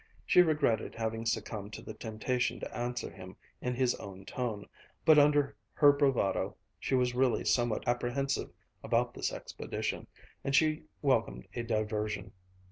She regretted having succumbed to the temptation to answer him in his own tone; but, under her bravado, she was really somewhat apprehensive about this expedition, and she welcomed a diversion.